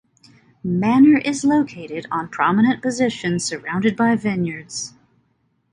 Manor is located on prominent position surrounded by vineyards.